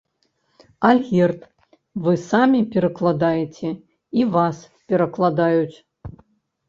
Альгерд, вы самі перакладаеце і вас перакладаюць.